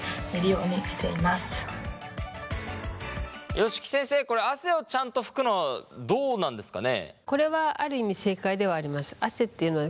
吉木先生これ汗をちゃんと拭くのどうなんですかね？